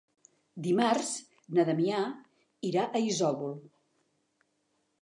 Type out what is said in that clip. Dimarts na Damià irà a Isòvol.